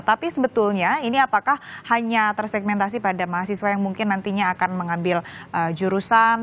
tapi sebetulnya ini apakah hanya tersegmentasi pada mahasiswa yang mungkin nantinya akan mengambil jurusan